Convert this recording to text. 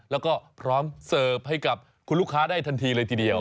แล้วก็พร้อมเสิร์ฟให้กับคุณลูกค้าได้ทันทีเลยทีเดียว